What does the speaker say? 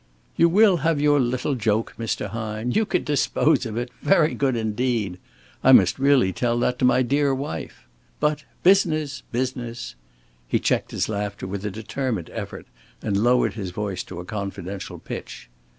"You will have your little joke, Mr. Hine. You could dispose of it! Very good indeed! I must really tell that to my dear wife. But business, business!" He checked his laughter with a determined effort, and lowered his voice to a confidential pitch.